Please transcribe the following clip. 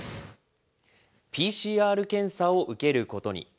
ＰＣＲ検査を受けることに。